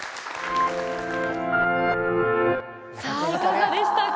さあいかがでしたか？